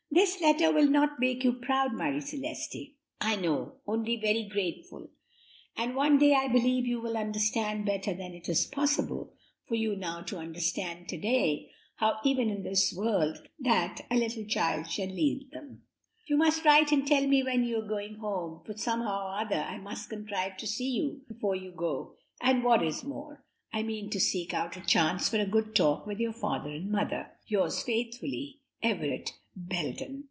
"This letter will not make you proud, Marie Celeste, I know, only very grateful, and one day I believe you will understand better than it is possible for you now to understand to day how even in this world the prophecy comes true sometimes that "a little child shall lead them." "You must write and tell me when you are going home, for somehow or other I must contrive to see you before you go, and what is more, I mean to seek out a chance for a good talk with your father and mother. "'Yours faithfully, "'Everett Belden.'"